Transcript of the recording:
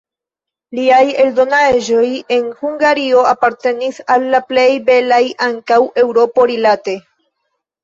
Liaj eldonaĵoj en Hungario apartenis al la plej belaj ankaŭ Eŭropo-rilate.